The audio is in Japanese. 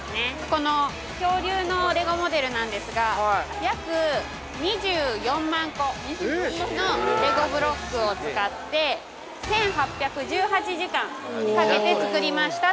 この恐竜のレゴモデルなんですが約２４万個のレゴブロックを使って１８１８時間かけて作りました。